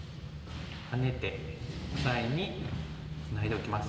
ハネてオサエにツナいでおきます。